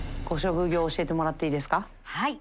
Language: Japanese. はい。